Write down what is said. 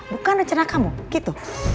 bukan rencana kamu gitu